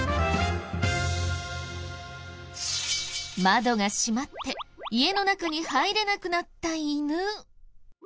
窓が閉まって家の中に入れなくなった犬。